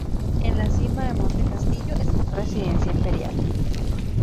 En la cima del Monte Castillo está la residencia imperial.